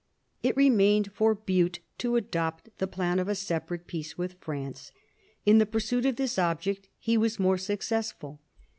It remained for Bute to adopt the plan of a separate peace with France. In the pursuit of this object he was more successful.